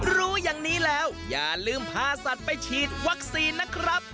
รู้อย่างนี้แล้วอย่าลืมพาสัตว์ไปฉีดวัคซีนนะครับ